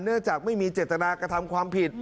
เนื่องจากไม่มีเจตนากระทำความผิด